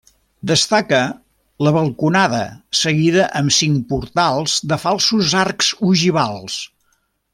Destaca la balconada seguida amb cinc portals de falsos arcs ogivals.